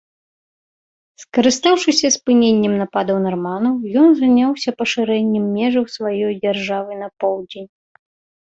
Скарыстаўшыся спыненнем нападаў нарманаў, ён заняўся пашырэннем межаў сваёй дзяржавы на поўдзень.